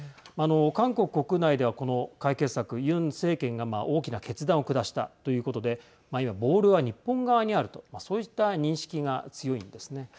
韓国国内では、この解決策ユン政権が大きな決断を下したということでボールは日本側にあるとそういった認識が強いんですね。